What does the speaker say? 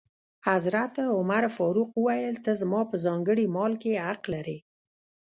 حضرت عمر فاروق وویل: ته زما په ځانګړي مال کې حق لرې.